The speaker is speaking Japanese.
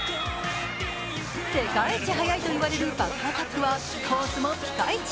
世界一速いといわれるバックアタックはコースもピカイチ。